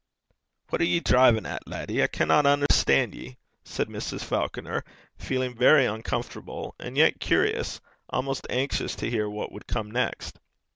'What are ye drivin' at, laddie? I canna unnerstan' ye,' said Mrs. Falconer, feeling very uncomfortable, and yet curious, almost anxious, to hear what would come next.